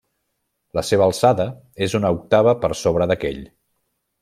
La seva alçada és una octava per sobre d'aquell.